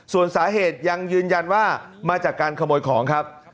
ส่วนสาเหตุยังยืนยันว่ามาจากการขโมยของครับ